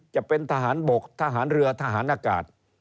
จะเป็นทหารบกทหารเรือทหารอากาศ